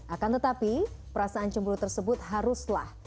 akan tetapi perasaan cemburu tersebut haruslah